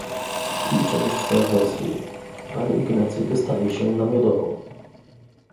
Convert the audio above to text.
"i część Senatorskiej, pan Ignacy dostaje się na Miodową."